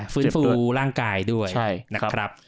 ฟื้นฟูร่างกายด้วยนะครับ